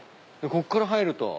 ここから入ると。